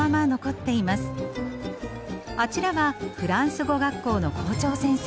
あちらはフランス語学校の校長先生。